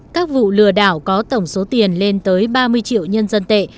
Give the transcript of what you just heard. các vụ lừa đảo có tổng số tiền lên tới ba mươi triệu nhân dân tệ